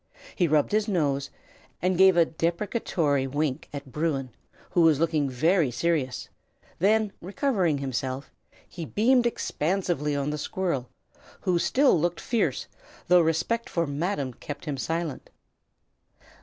He rubbed his nose, and gave a deprecatory wink at Bruin, who was looking very serious; then, recovering himself, he beamed expansively on the squirrel, who still looked fierce, though respect for "Madam" kept him silent.